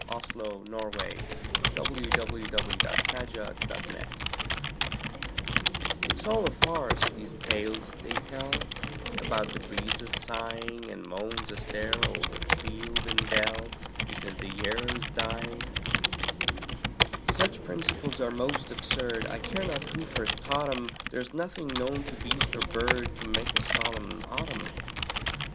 Paul Laurence Dunbar Merry Autumn IT'S all a farce, these tales they tell About the breezes sighing, And moans astir o'er field and dell, Because the year is dying. Such principles are most absurd, I care not who first taught 'em; There's nothing known to beast or bird To make a solemn autumn.